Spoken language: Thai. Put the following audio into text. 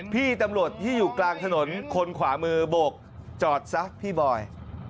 พี่ตำรวจที่อยู่กลางถนนคนขวามือโบกจอดซะพี่บอย